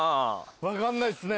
分かんないっすね。